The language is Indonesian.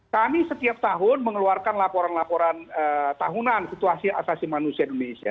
kami setiap tahun mengeluarkan laporan laporan tahunan situasi asasi manusia di indonesia